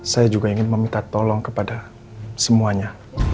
saya juga ingin meminta tolong kepada semuanya